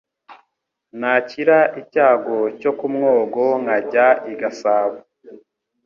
Nakira icyago cyo ku mwogo Nkajya i Gasabo